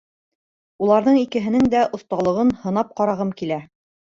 — Уларҙың икеһенең дә оҫталығын һынап ҡарағым килә.